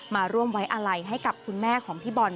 มาร่วมไว้อาลัยให้กับคุณแม่ของพี่บอล